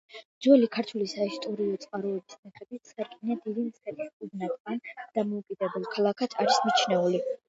ძველი ქართული საისტორიო წყაროების მიხედვით, სარკინე დიდი მცხეთის უბნად ან დამოუკიდებელ ქალაქად არის მიჩნეული.